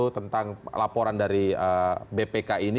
tentang laporan dari bpk ini